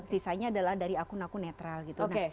sisanya adalah dari akun akun netral gitu